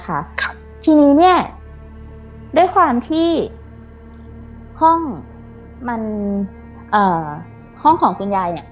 ครับทีนี้เนี้ยด้วยความที่ห้องมันเอ่อห้องของคุณยายเนี้ย